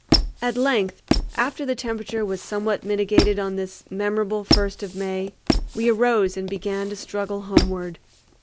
At length, after the temperature was somewhat mitigated on this memorable first of May, we arose and began to struggle homeward.